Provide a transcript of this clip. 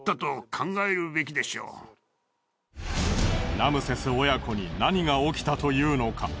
ラムセス親子に何が起きたというのか？